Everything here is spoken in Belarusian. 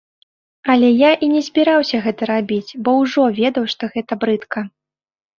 Але я і не збіраўся гэта рабіць, бо ўжо ведаў, што гэта брыдка.